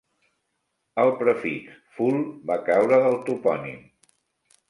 El prefix "ful-" va caure del topònim.